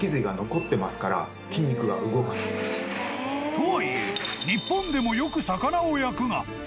［とはいえ日本でもよく魚を焼くが］